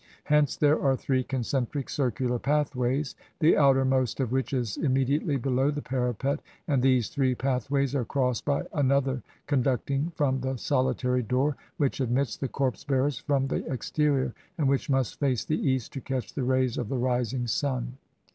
Hence there are three concentric circular pathways, the outermost of which is immediately below the parapet, and these three pathways are crossed by another conducting from the solitary door which admits the corpse bearers from the exterior, and which must face the east, to catch the rays of the rising sun.